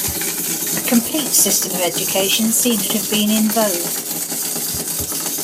A complete system of education seems to have been in vogue.